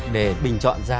để bình chọn ra